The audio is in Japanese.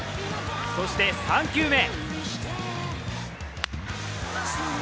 そして３球目。